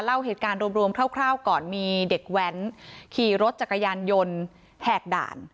เล่าเหตุการณ์รวมคร่าวก่อนมีเด็กแว้นขี่รถจักรยานยนต์แหกด่าน